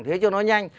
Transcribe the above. thế cho nói nhanh